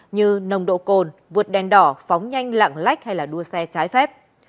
như nồng độ cồn vượt đèn đỏ phóng nhanh lạng lách hay đua xe trái phép